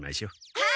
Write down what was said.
はい！